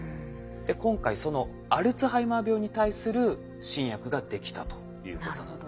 今回そのアルツハイマー病に対する新薬ができたということです。